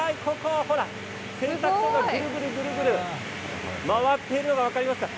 ほら、洗濯槽がぐるぐる回っているのが分かりますか。